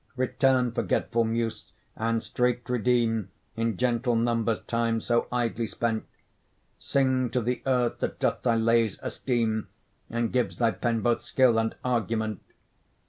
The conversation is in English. Return forgetful Muse, and straight redeem, In gentle numbers time so idly spent; Sing to the ear that doth thy lays esteem And gives thy pen both skill and argument.